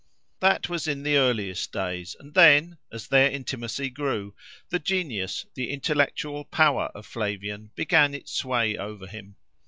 That was in the earliest days; and then, as their intimacy grew, the genius, the intellectual power of Flavian began its sway over him.